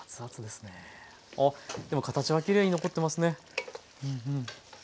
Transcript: あっでも形はきれいに残ってますね。